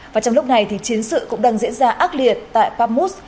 và trong lúc này thì chiến sự cũng đang diễn ra ác liệt tại pamuz